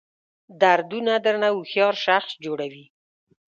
دردونه درنه هوښیار شخص جوړوي.